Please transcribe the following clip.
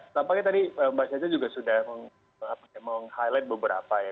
tampaknya tadi mbak caca juga sudah meng highlight beberapa ya